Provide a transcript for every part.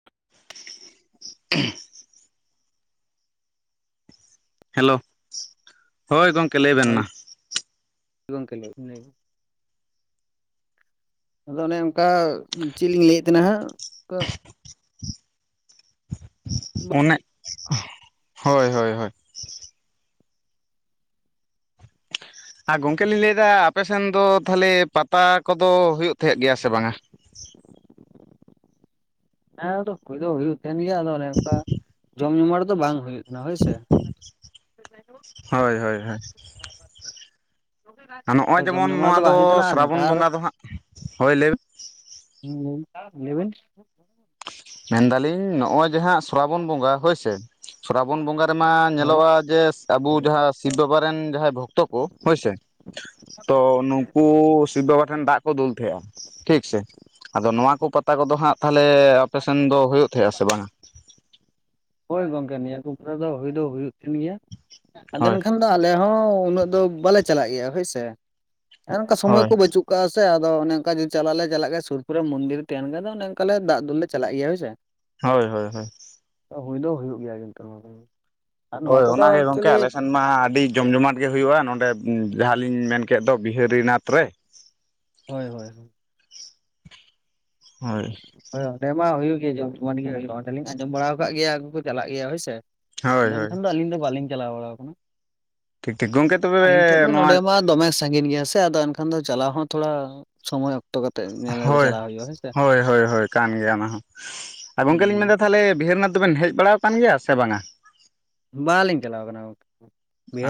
[unintelligible] Hello ᱦᱚᱭ ᱜᱚᱢᱠᱮ ᱞᱟᱹᱭ ᱵᱮᱱᱢᱟ ᱥᱤᱵᱚᱝᱠᱮᱞᱮ [unintelligible] ᱟᱫᱚ ᱚᱱᱮ ᱚᱱᱠᱟ ᱪᱮᱫ ᱞᱤᱧ ᱞᱟᱹᱭᱮᱫ ᱛᱟᱦᱮᱱᱟ ᱦᱟᱸᱜ ᱦᱮᱸ ᱚᱱᱮ ᱦᱚᱭ ᱦᱚᱭ ᱦᱚᱭ ᱟᱨ ᱜᱚᱝᱠᱮ ᱞᱤᱧ ᱞᱟᱹᱭᱮᱫᱟ ᱟᱯᱮᱥᱮᱱ ᱫᱚ ᱛᱟᱦᱚᱞᱮ ᱯᱟᱛᱟ ᱠᱚᱫᱚ ᱦᱩᱭᱩᱜ ᱛᱟᱦᱮᱸᱫ ᱜᱮᱭᱟ ᱥᱮ ᱵᱟᱝᱟ ᱦᱮᱸ ᱦᱩᱭ ᱫᱚ ᱦᱩᱭᱩᱜ ᱛᱟᱦᱮᱱ ᱜᱮᱭᱟ ᱟᱫᱚ ᱚᱱᱮ ᱚᱱᱠᱟ ᱡᱚᱢ ᱧᱩ ᱨᱮ ᱫᱚ ᱵᱟᱝ ᱦᱩᱭᱩᱜ ᱛᱟᱦᱮᱱᱟ ᱦᱳᱭ ᱥᱮ ᱦᱚᱭ ᱦᱚᱭ ᱦᱮᱸ ᱱᱚᱜᱼᱚᱭ [inaudible] ᱡᱚᱢ ᱡᱮᱢᱚᱱ ᱡᱚᱢᱟ ᱱᱚᱣᱟ ᱫᱚ ᱵᱟᱝ ᱦᱩᱭᱩᱜ ᱠᱟᱱᱟ ᱟᱨ ᱥᱨᱟᱵᱚᱱ ᱱᱮᱛᱟᱨ ᱵᱚᱸᱜᱟ ᱫᱚ ᱦᱟᱸᱜ ᱦᱳᱭ ᱞᱟᱹᱭ [inaudible] ᱢᱮᱱᱫᱟᱞᱤᱧ ᱱᱚᱜ ᱚᱭ ᱡᱟᱦᱟᱸ ᱥᱨᱟᱵᱚᱱ ᱵᱚᱸᱜᱟ ᱦᱚᱭᱥᱮ ᱥᱚᱨᱨᱟᱵᱚᱱ ᱵᱚᱸᱜᱟ ᱨᱮᱢᱟ ᱦᱳᱭ ᱧᱮᱞᱚᱜᱼᱟ ᱡᱮ ᱟᱵᱚ ᱡᱟᱦᱟᱸ ᱥᱤᱵ ᱵᱟᱵᱟᱨᱮᱱ ᱡᱟᱦᱟᱸᱭ ᱵᱷᱚᱠᱛᱚ ᱠᱚ ᱦᱳᱭᱥᱮ ᱛᱚ ᱱᱩᱠᱩ ᱥᱤᱵ ᱵᱟᱵᱟ ᱴᱷᱮᱱ ᱫᱟᱜ ᱠᱚ ᱫᱩᱞ ᱛᱟᱦᱮᱸᱼᱟ ᱴᱷᱤᱠ ᱥᱮ ᱟᱫᱚ ᱱᱚᱣᱟ ᱠᱚ ᱯᱟᱛᱟ ᱠᱚᱫᱚ ᱦᱟᱸᱜ ᱛᱟᱦᱚᱞᱮ ᱟᱯᱮᱥᱮᱱ ᱫᱚ ᱦᱩᱭᱩᱜ ᱛᱟᱦᱮᱸᱜᱼᱟ ᱥᱮ ᱵᱟᱝᱟ ᱦᱚᱭ ᱜᱚᱝᱠᱮ ᱱᱤᱭᱟᱹ ᱠᱚ [inaudible] ᱫᱚ ᱦᱩᱭ ᱫᱚ ᱦᱩᱭᱩᱜ ᱜᱮᱭᱟ ᱟᱫᱚ ᱦᱳᱭ ᱮᱠᱷᱟᱱ ᱟᱞᱮ ᱦᱚᱸ ᱩᱱᱟᱹᱜ ᱫᱚ ᱵᱟᱞᱮ ᱪᱟᱞᱟᱜ ᱜᱮᱭᱟ ᱦᱳᱭ ᱥᱮ ᱦᱚ ᱱᱚᱱᱠᱟ ᱥᱚᱢᱚᱭ ᱦᱳᱭ ᱠᱚ ᱵᱟᱹᱪᱩᱜ ᱠᱟᱜᱼᱟ ᱥᱮ ᱟᱫᱚ ᱚᱱ ᱚᱱᱠᱟ ᱡᱩᱫᱤ ᱪᱟᱞᱟᱜ ᱞᱮ ᱪᱟᱞᱟᱜ ᱠᱷᱟ ᱥᱩᱨ ᱠᱚᱨᱮ ᱢᱚᱱᱫᱤᱨ ᱛᱟᱦᱮᱱ ᱠᱷᱟᱱ ᱚᱱ ᱚᱱᱠᱟ ᱞᱮ ᱫᱩᱞ ᱞᱮ ᱪᱟᱞᱟᱜ ᱜᱮᱭᱟ ᱦᱳᱭ ᱥᱮ ᱦᱳᱭ ᱦᱳᱭ‌ ᱦᱳᱭ ᱦᱩᱭ ᱫᱚ ᱦᱩᱭᱩᱜ ᱜᱮᱭᱟ [unintelligible] ᱠᱤᱱᱛᱩ ᱟᱨ ᱱᱚᱣᱟ ᱦᱳᱭ ᱠᱚᱫᱚ ᱚᱱᱟᱜᱮ ᱜᱚᱝᱠᱮ ᱮᱠᱪᱩᱭᱮᱞᱤ ᱟᱞᱮᱥᱮᱱ ᱢᱟ ᱟᱹᱰᱤ ᱡᱚᱢ ᱡᱚᱢᱟᱴ ᱜᱮ ᱦᱩᱭᱩᱜᱼᱟ ᱱᱚᱸᱰᱮ ᱡᱟᱦᱟᱸᱞᱤᱧ ᱢᱮᱱᱠᱮᱫ ᱫᱚ ᱵᱤᱦᱟᱹᱨᱤᱱᱟᱛᱷ ᱨᱮ ᱾ ᱦᱳᱭ ᱦᱳᱭ ᱦᱳᱭ ᱾ ᱦᱳᱭ ᱚᱸᱰᱮ ᱢᱟ ᱦᱩᱭᱩᱜ ᱜᱮᱭᱟ ᱡᱚᱢ ᱡᱚᱢᱟᱜ ᱜᱮ ᱦᱩᱭᱩᱜᱼᱟ ᱚᱸᱰᱮ ᱞᱤᱧ ᱟᱸᱡᱚᱢ ᱵᱟᱲᱟ ᱟᱠᱟᱜ ᱜᱮᱭᱟ ᱟᱜᱩ ᱠᱚ ᱪᱟᱞᱟᱜ ᱜᱮᱭᱟ ᱦᱳᱭᱥᱮ ᱾ ᱦᱳᱭ [inaudible] ᱦᱳᱭ ᱱᱮᱠᱷᱟᱱ ᱫᱚ ᱟᱹᱞᱤᱧ ᱫᱚ ᱵᱟᱹᱞᱤᱧ ᱪᱟᱞᱟᱣ ᱵᱟᱲᱟᱣ ᱟᱠᱟᱱᱟ ᱴᱷᱤᱠ ᱴᱷᱤᱠ ᱜᱚᱝᱠᱮ ᱾ ᱛᱚᱵᱮ ᱟᱹᱞᱤᱧ ᱴᱷᱮᱡ ᱫᱚ ᱱᱚᱣᱟ ᱱᱚᱰᱮ ᱢᱟ ᱫᱚᱢᱮ ᱥᱟᱺᱜᱤᱧ ᱜᱮᱭᱟ ᱥᱮ ᱟᱫᱚ ᱮᱱᱠᱷᱟᱱ ᱫᱚ ᱪᱟᱞᱟᱣ ᱦᱚᱸ ᱛᱷᱚᱲᱟ ᱥᱚᱢᱚᱭ ᱚᱠᱛᱚ ᱠᱟᱛᱮ ᱧᱮᱞ ᱠᱟᱛᱮ ᱦᱳᱭ ᱪᱟᱞᱟᱣ ᱦᱩᱭᱩᱜᱼᱟ ᱦᱮᱸ ᱥᱮ ᱾ ᱦᱳᱭ ᱦᱳᱭ ᱦᱳᱭ ᱠᱟᱱ ᱜᱮᱭᱟ ᱚᱱᱟ ᱦᱚᱸ ᱟᱨ ᱜᱚᱢᱠᱮ ᱞᱤᱧ ᱢᱮᱱ ᱮᱫᱟ ᱛᱟᱦᱚᱞᱮ ᱵᱤᱦᱟᱹᱨᱤᱱᱟᱛᱷ ᱫᱚᱵᱤᱱ ᱦᱮᱡ ᱵᱟᱲᱟᱣ ᱠᱟᱱ ᱜᱮᱭᱟ ᱥᱮ ᱵᱟᱝᱟ ᱵᱟᱝ ᱞᱤᱧ ᱪᱟᱞᱟᱣ ᱟᱠᱟᱱᱟ ᱜᱚᱢᱠᱮ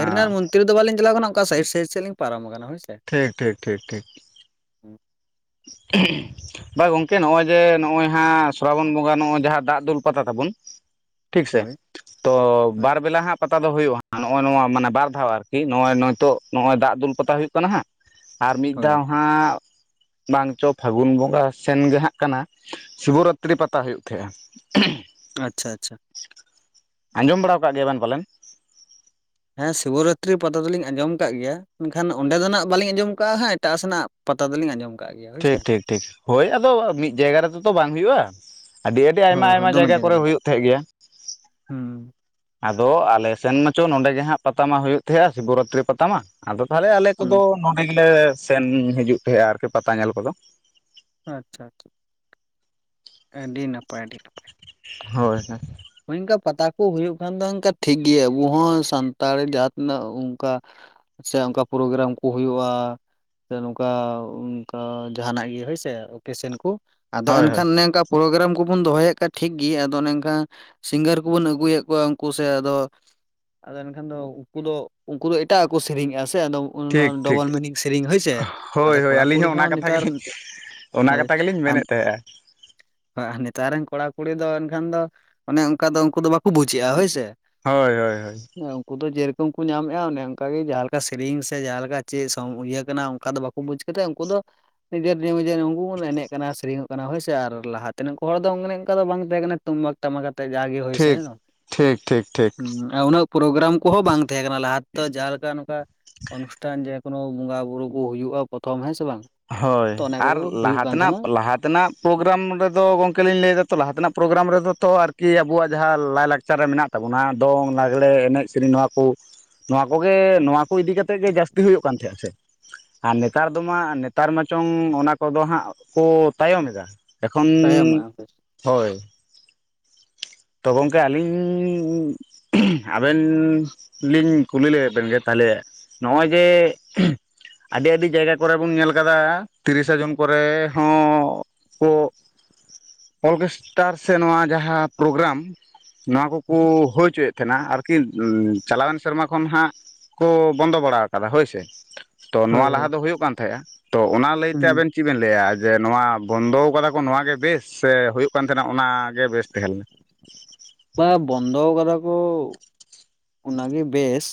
ᱚ [unintelligible] ᱛᱤᱛ ᱨᱮ ᱫᱚ ᱵᱟᱞᱤᱧ ᱪᱟᱞᱟᱣ ᱠᱟᱱᱟ ᱚᱱᱠᱟ ᱥᱟᱭᱤᱰ ᱥᱟᱭᱤᱰ ᱥᱮᱫ ᱞᱤᱧ ᱯᱟᱨᱚᱢ ᱟᱠᱟᱱᱟ ᱦᱳᱭ ᱥᱮ ᱾ ᱴᱷᱤᱠ ᱴᱷᱤᱠ ᱴᱷᱤᱠ ᱴᱷᱤᱠ [inaudible] ᱵᱟ ᱜᱚᱝᱠᱮ ᱱᱚᱜ-ᱚᱭ ᱡᱮ ᱱᱚᱜ-ᱚᱭ ᱦᱟᱸᱜ ᱥᱨᱟᱵᱚᱱ ᱵᱚᱸᱜᱟ ᱱᱚᱜ-ᱚᱭ ᱡᱟᱦᱟᱸ ᱫᱟᱜ ᱫᱩᱞ ᱯᱟᱛᱟ ᱛᱟᱵᱚᱱ ᱴᱷᱤᱠ ᱥᱮ ᱦᱳᱭ ᱛᱚ ᱦᱳᱭ ᱵᱟᱨ ᱵᱮᱞᱟ ᱦᱟᱸᱜ ᱯᱟᱛᱟ ᱫᱚ ᱦᱳᱭᱳᱜ-ᱟ ᱱᱚᱜ-ᱚᱭ ᱱᱚᱣᱟ ᱢᱟᱱᱮ ᱵᱟᱨ ᱫᱷᱟᱣ ᱟᱨᱠᱤ ᱱᱚᱜᱼᱚᱭ ᱱᱤᱛᱚᱜ ᱱᱚᱜᱼᱚᱭ ᱫᱟᱜ ᱫᱩᱞ ᱯᱟᱛᱟ ᱦᱩᱭᱩᱜ ᱠᱟᱱᱟ ᱦᱟᱸᱜ ᱾ ᱟᱨ ᱢᱤᱫ ᱦᱳᱭ ᱫᱷᱟᱣ ᱦᱟᱸᱜ ᱵᱟᱝ ᱪᱚ ᱯᱷᱟᱹᱜᱩᱱ ᱵᱚᱸᱜᱟ ᱥᱮᱱ ᱜᱮ ᱦᱟᱸᱜ ᱠᱟᱱᱟ ᱥᱤᱵᱚᱨᱟᱛᱨᱤ ᱯᱟᱛᱟ ᱦᱩᱭᱩᱜ ᱛᱟᱦᱮᱸᱼᱟ ᱾ ᱟᱪᱪᱷᱟ ᱟᱪᱪᱷᱟ ᱾ ᱟᱸᱡᱚᱢ ᱵᱟᱲᱟᱣ ᱠᱟᱫ ᱜᱮᱭᱟᱵᱮᱱ ᱯᱟᱞᱮᱱ ᱾ ᱦᱮᱸ ᱥᱤᱵᱚᱨᱟᱛᱨᱤ ᱯᱟᱛᱟ ᱫᱚᱞᱤᱧ ᱟᱸᱡᱚᱢ ᱠᱟᱜ ᱜᱮᱭᱟ ᱢᱮᱱᱠᱷᱟᱱ ᱚᱸᱰᱮ ᱫᱚ ᱱᱟᱜ ᱵᱟᱞᱤᱧ ᱟᱸᱡᱚᱢ ᱠᱟᱜᱼᱟ ᱦᱟᱸᱜ ᱮᱴᱟᱜ ᱥᱮᱱᱟᱜ ᱯᱟᱛᱟ ᱫᱚᱞᱤᱧ ᱟᱸᱡᱚᱢ ᱠᱟᱜ ᱜᱮᱭᱟ ᱦᱳᱭ ᱥᱮ ᱴᱷᱤᱠ ᱴᱷᱤᱠ ᱴᱷᱤᱠ ᱦᱳᱭ ᱟᱫᱚ ᱢᱤᱫ ᱡᱟᱭᱜᱟ ᱨᱮᱫᱚ ᱛᱚ ᱵᱟᱝ ᱦᱩᱭᱩᱜᱼᱟ ᱾ ᱟᱹᱰᱤ ᱟᱹᱰᱤ ᱟᱭᱢᱟ ᱦᱳᱭ ᱦᱳᱭ ᱟᱭᱢᱟ ᱫᱚᱢᱮ ᱡᱟᱭᱜᱟ ᱠᱚᱨᱮ ᱨᱮᱜᱮ ᱦᱩᱭᱩᱜ ᱛᱟᱦᱮᱸᱜ ᱜᱮᱭᱟ ᱾ ᱦᱩᱸ ᱟᱫᱚ ᱟᱞᱮ ᱥᱮᱱ ᱢᱟᱪᱚ ᱱᱚᱰᱮ ᱜᱮ ᱦᱟᱸᱜ ᱯᱟᱛᱟ ᱢᱟ ᱦᱩᱭᱩᱜ ᱛᱟᱦᱮᱸᱜᱼᱟ ᱥᱤᱵᱚᱨᱟᱛᱨᱤ ᱯᱟᱛᱟ ᱢᱟ ᱾ ᱟᱫᱚ ᱛᱟᱦᱚᱞᱮ ᱟᱞᱮ ᱦᱩᱸ ᱠᱚᱫᱚ ᱱᱚᱰᱮ ᱜᱮᱞᱮ ᱥᱮᱱ ᱦᱤᱡᱩᱜ ᱛᱟᱦᱮᱸᱜᱼᱟ ᱟᱨᱠᱤ ᱯᱟᱛᱟ ᱧᱮᱞ ᱠᱚᱫᱚ ᱟᱪᱪᱷᱟ ᱟᱪᱪᱷᱟ ᱾ ᱟᱹᱰᱤ ᱱᱟᱯᱟᱭ ᱟᱹᱰᱤ ᱦᱳᱭ ᱦᱮᱸ ᱾ ᱳᱭ [inaudible] ᱝᱠᱟ ᱯᱟᱛᱟ ᱠᱚ ᱦᱩᱭ ᱚᱱᱠᱟ ᱯᱟᱛᱟ ᱠᱚ ᱦᱩᱭᱩᱜ ᱠᱷᱟᱱ ᱫᱚ ᱴᱷᱤᱠ ᱜᱮᱭᱟ ᱟᱵᱚ ᱦᱚᱸ ᱥᱟᱱᱛᱟᱲ ᱡᱟᱛ ᱛᱤᱱᱟᱹᱜ ᱚᱱᱠᱟ ᱥᱮ ᱚᱱᱠᱟ ᱯᱨᱳᱜᱨᱟᱢ ᱠᱚ ᱦᱩᱭᱩᱜᱼᱟ ᱾ ᱥᱮ ᱱᱚᱝᱠᱟ ᱚᱱᱠᱟ ᱡᱟᱦᱟᱱᱟᱜ ᱜᱮ ᱦᱳᱭᱥᱮ ᱳᱠᱮᱥᱮᱱ ᱠᱚ ᱟᱫᱚ ᱦᱳᱭ ᱦᱳᱭ ᱮᱱᱠᱷᱟᱱ ᱚᱱᱮᱝᱠᱟ ᱯᱨᱳᱜᱨᱟᱢ ᱠᱚᱵᱚᱱ ᱫᱚᱦᱚᱭᱮᱫ ᱠᱷᱟᱡ ᱴᱷᱤᱠ ᱜᱮ ᱟᱫᱚ ᱚᱱᱮᱝᱠᱟᱱ ᱥᱤᱝᱜᱟᱨ ᱠᱚᱵᱚᱱ ᱟᱹᱜᱩᱭᱮᱫ ᱠᱚᱣᱟ ᱩᱱᱠᱩ ᱥᱮ ᱟᱫᱚ ᱟᱫᱚ ᱮᱱᱠᱷᱟᱱ ᱫᱚ ᱩᱱᱠᱩ ᱫᱚ ᱩᱱᱠᱩ ᱫᱚ ᱮᱴᱟᱜ ᱠᱚ ᱥᱮᱨᱮᱧᱮᱜᱼᱟ ᱥᱮ ᱟᱫᱚ ᱚᱱᱮ ᱴᱷᱤᱠ ᱚᱱᱟ ᱴᱷᱤᱠ ᱰᱚᱵᱚᱞ ᱢᱤᱱᱤᱝ ᱥᱮᱨᱮᱧ ᱦᱳᱭᱥᱮ ᱦᱳᱭ ᱟᱫᱚ ᱦᱳᱭ ᱠᱚᱲᱟ ᱟᱹᱞᱤᱧ ᱠᱩᱲᱤ ᱚᱱᱟ ᱦᱚᱸ ᱠᱟᱛᱷᱟ ᱱᱮᱛᱟᱨ ᱜᱮᱞᱤᱧ ᱚᱱᱟ ᱠᱟᱛᱷᱟ ᱜᱮᱞᱤᱧ ᱢᱮᱱᱮᱫ ᱛᱟᱦᱮᱫ-ᱟ ᱾ ᱦᱳ [unintelligible] ᱟᱨ ᱱᱮᱛᱟᱨ ᱨᱮᱱ ᱠᱚᱲᱟ ᱠᱩᱲᱤ ᱫᱚ ᱮᱱᱠᱷᱟᱱ ᱫᱚ ᱚᱱᱮ ᱚᱱᱠᱟ ᱫᱚ ᱩᱱᱠᱩ ᱫᱚ ᱵᱟᱠᱚ ᱵᱩᱡᱽ ᱮᱫᱼᱟ ᱦᱳᱭ ᱥᱮ ᱾ ᱦᱳᱭ ᱦᱳᱭ ᱦᱳᱭ ᱾ ᱦᱮᱸ ᱩᱱᱠᱩ ᱫᱚ ᱡᱮᱨᱚᱠᱚᱢ ᱠᱚ ᱧᱟᱢᱮᱫᱼᱟ ᱚᱱᱮ ᱚᱱᱠᱟ ᱜᱮ ᱡᱟᱦᱟᱸ ᱞᱮᱠᱟ ᱥᱮᱨᱮᱧ ᱥᱮ ᱡᱟᱦᱟᱸ ᱞᱮᱠᱟ ᱪᱮᱫ [unintelligible] [unintelligible] ᱠᱟᱱᱟ ᱚᱱᱠᱟ ᱫᱚ ᱵᱟᱠᱚ [unintelligible] ᱵᱩᱡᱽ ᱠᱟᱛᱮᱫ ᱩᱱᱠᱩ ᱫᱚ ᱱᱤᱡᱮᱨ [unintelligible] ᱱᱤᱡᱮᱨ ᱩᱱᱠᱩ ᱠᱚ ᱮᱱᱮᱡ ᱠᱟᱱᱟ ᱥᱮᱨᱮᱧᱚᱜ ᱠᱟᱱᱟ ᱦᱳᱭ ᱥᱮ ᱟᱨ ᱞᱟᱦᱟ ᱛᱮᱱ ᱠᱚ ᱦᱚᱲ ᱫᱚ ᱚᱱᱮ ᱚᱱᱠᱟ ᱫᱚ ᱵᱟᱝ ᱛᱟᱦᱮᱸ ᱠᱟᱱᱟ [unintelligible] ᱼᱼ ᱴᱟᱢᱟᱠ ᱠᱟᱛᱮ ᱡᱟᱦᱟ ᱜᱮ ᱦᱩᱭ ᱥᱮ ᱴᱷᱤᱠ ᱴᱷᱤᱠ ᱴᱷᱤᱠ ᱴᱷᱤᱠ [unintelligible] ᱦᱩᱸ ᱟᱨ ᱩᱱᱟᱹᱜ ᱯᱨᱳᱜᱨᱟᱢ ᱠᱚᱦᱚᱸ ᱵᱟᱝ ᱛᱟᱦᱮᱸ ᱠᱟᱱᱟ ᱞᱟᱦᱟ ᱛᱮ ᱫᱚ ᱡᱟᱦᱟᱸ ᱞᱮᱠᱟ ᱱᱚᱝᱠᱟ ᱚᱱᱩᱥᱴᱷᱟᱱ ᱡᱮᱠᱳᱱᱚ ᱵᱚᱸᱜᱟ ᱵᱩᱨᱩ ᱠᱚ ᱦᱳᱭᱳᱼᱟ ᱯᱨᱚᱛᱷᱚᱢ ᱦᱮᱸᱥᱮᱼᱼ ᱦᱳᱭ ᱟᱨ ᱞᱟᱦᱟ ᱛᱮᱱᱟᱜ ᱛᱟᱦᱮᱱᱟ ᱞᱟᱦᱟ ᱛᱮᱱᱟᱜᱼᱼ ᱯᱨᱳᱜᱨᱟᱢ ᱨᱮᱫᱚ ᱜᱚᱝᱠᱮ ᱞᱤᱧ ᱞᱟᱹᱭ ᱮᱫᱟ ᱛᱚ ᱞᱟᱦᱟ ᱛᱮᱱᱟᱜ ᱯᱨᱳᱜᱨᱟᱢ ᱨᱮᱫᱚ ᱛᱚ ᱟᱨᱠᱤ ᱟᱵᱚᱣᱟᱜ ᱡᱟᱦᱟᱸ ᱞᱟᱭ ᱞᱟᱠᱪᱟᱨ ᱨᱮ ᱢᱮᱱᱟᱜ ᱛᱟᱵᱚᱱᱟ ᱫᱚᱝ ᱞᱟᱜᱽᱲᱮ ᱮᱱᱮᱡ ᱥᱮᱨᱮᱧ ᱱᱚᱣᱟ ᱠᱚ ᱱᱚᱣᱟ ᱠᱚᱜᱮ ᱱᱚᱣᱟ ᱠᱚ ᱤᱫᱤ ᱠᱟᱛᱮᱜ ᱜᱮ ᱡᱟᱹᱥᱛᱤ ᱦᱩᱭᱩᱜ ᱠᱟᱱ ᱛᱟᱦᱮᱸᱫᱼᱟ ᱥᱮ ᱟᱨ ᱱᱮᱛᱟᱨ ᱫᱚ ᱢᱟ ᱱᱮᱛᱟᱨ ᱢᱟᱪᱚᱝ ᱚᱱᱟ ᱠᱚᱫᱚ ᱦᱟᱸᱜ ᱠᱚ ᱛᱟᱭᱚᱢ ᱮᱫᱟ ᱮᱠᱷᱚᱱ [unintelligible] ᱛᱟᱭᱚᱢᱟᱜᱼᱟ ᱦᱳᱭ ᱾ ᱛᱚ ᱜᱚᱝᱠᱮ ᱟᱹᱞᱤᱧ [unintelligible] ᱟᱵᱮᱱ ᱞᱤᱧ ᱠᱩᱞᱤ ᱞᱮᱜᱮ ᱵᱮᱱ ᱜᱮ ᱛᱟᱦᱚᱞᱮ ᱱᱚᱜᱼᱚᱭ ᱡᱮ ᱟᱹᱰᱤ ᱟᱹᱰᱤ ᱡᱟᱭᱜᱟ ᱠᱚᱨᱮ ᱵᱚᱱ ᱧᱮᱞ ᱟᱠᱟᱫᱟ ᱛᱤᱨᱤᱥᱮ ᱡᱩᱱ ᱠᱚᱨᱮ ᱦᱚᱸ ᱠᱚ ᱚᱨᱠᱮᱥᱴᱟᱨ ᱥᱮ ᱱᱚᱣᱟ ᱡᱟᱦᱟᱸ ᱯᱨᱳᱜᱨᱟᱢ ᱱᱚᱣᱟ ᱠᱚᱠᱚ ᱦᱳᱭ ᱦᱚᱪᱚᱭᱮᱫ ᱛᱟᱦᱮᱸᱱᱟ ᱟᱨᱠᱤ ᱪᱟᱞᱟᱣᱮᱱ ᱥᱮᱨᱢᱟ ᱠᱷᱚᱱ ᱦᱟᱸᱜ ᱠᱚ ᱵᱚᱱᱫᱚ ᱵᱟᱲᱟ ᱠᱟᱫᱟ ᱦᱳᱭ ᱥᱮ ᱛᱚ ᱦᱳᱭ ᱱᱚᱣᱟ ᱞᱟᱦᱟ ᱦᱳᱭ ᱫᱚ ᱦᱩᱭᱩᱜ ᱠᱟᱱ ᱛᱟᱦᱮᱸᱫᱼᱟ ᱛᱚ ᱚᱱᱟ ᱞᱟᱹᱭᱛᱮ ᱦᱩᱸ ᱟᱵᱮᱱ ᱪᱮᱫ ᱵᱮᱱ ᱞᱟᱹᱭᱟ ᱡᱮ ᱱᱚᱣᱟ ᱵᱚᱱᱫᱚ ᱟᱠᱟᱫᱟ ᱠᱚ ᱱᱚᱣᱟ ᱜᱮ ᱵᱮᱥ ᱥᱮ ᱦᱩᱭᱩᱜ ᱠᱟᱱ ᱛᱟᱸᱦᱮᱱᱟ ᱚᱱᱟᱜ ᱜᱮ ᱵᱮᱥ ᱛᱟᱦᱮᱸ ᱞᱮᱱᱟ ᱵᱟᱝᱟ ᱵᱚᱱᱫᱚ ᱟᱠᱟᱫᱟ ᱠᱚ ᱚᱱᱟᱜᱮ ᱵᱮᱥ᱾